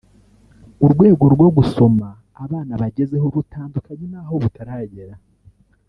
urwego rwo gusoma abana bagezeho rutandukanye n’aho butaragera